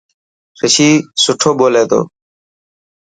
رشي سٺو ٻولي تو.